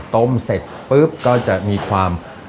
ต้มเสร็จปุ๊บก็จะมีความ